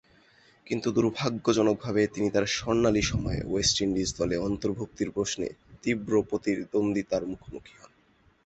কিন্তু, দূর্ভাগ্যজনকভাবে তিনি তার স্বর্ণালী সময়ে ওয়েস্ট ইন্ডিজ দলে অন্তর্ভুক্তির প্রশ্নে তীব্র প্রতিদ্বন্দ্বিতার মুখোমুখি হন।